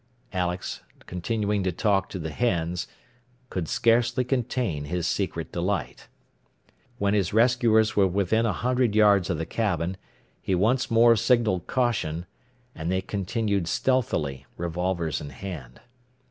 Alex, continuing to talk to the hens, could scarcely contain his secret delight. When his rescuers were within a hundred yards of the cabin, he once more signalled caution, and they continued stealthily, revolvers in hand.